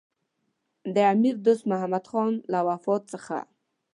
د امیر دوست محمدخان له وفات څخه.